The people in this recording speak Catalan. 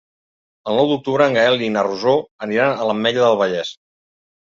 El nou d'octubre en Gaël i na Rosó aniran a l'Ametlla del Vallès.